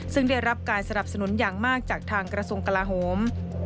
ซึ่งได้รับการสนับสนุนอย่างมากจากทางกระทรวงกลาโฮม